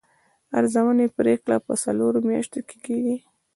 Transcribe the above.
د ارزونې پریکړه په څلورو میاشتو کې کیږي.